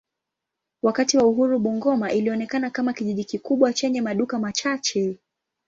Wakati wa uhuru Bungoma ilionekana kama kijiji kikubwa chenye maduka machache.